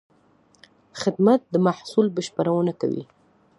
خدمت د محصول بشپړونه کوي.